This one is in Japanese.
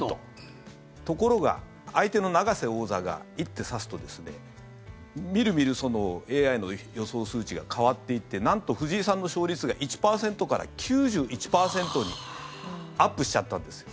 ところが相手の永瀬王座が一手指すとみるみるＡＩの予想数値が変わっていってなんと藤井さんの勝率が１％から９１％にアップしちゃったんですよ。